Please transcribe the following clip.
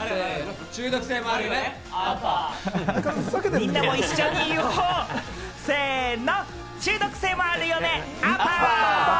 みんなも一緒に言おう、せの中毒性もあるよね、アッパ！